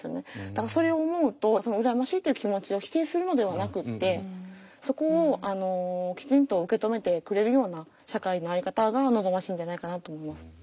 だからそれを思うとその「羨ましい」という気持ちを否定するのではなくてそこをきちんと受け止めてくれるような社会の在り方が望ましいんじゃないかなと思います。